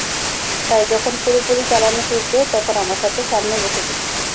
তাই, যখন পুরোপুরি চালানো শিখবো, তখন আমার সাথে সামনে বোসো তুমি।